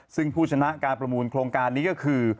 ซึ่งผู้ชนะการประมูลโครงการนี้ก็คือ